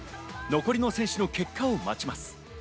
残りの選手の結果を待ちます。